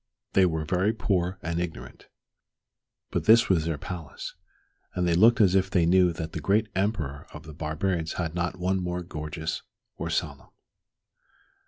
They were very poor and ignorant. But this was their palace, and they looked as if they knew that the great Emperor of the barbarians had not one more gorgeous or solemn.